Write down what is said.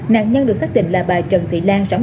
nạn nhân được xác định là bà trần thị lan sống